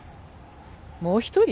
もう１人？